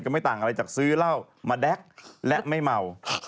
ไม่ต่างอะไรจากซื้อเหล้ามาแด๊กและไม่เมา